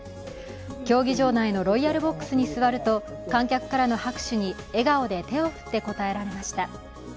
競技場内のロイヤルボックスに座ると、観客からの拍手に笑顔で手を振って応えられました。